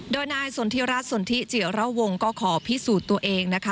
โดยนายสนทิรัฐสนทิจิระวงก็ขอพิสูจน์ตัวเองนะคะ